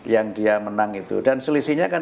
yang dia menang itu dan selisihnya kan